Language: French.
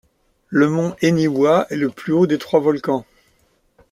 Le mont Eniwa est le plus haut des trois volcans.